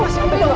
masih ini loh